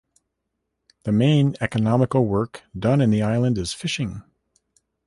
The main economical work done in the island is fishing.